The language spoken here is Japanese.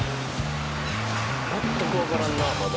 全くわからんなまだ。